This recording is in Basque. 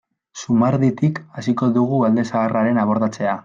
Zumarditik hasiko dugu alde zaharraren abordatzea.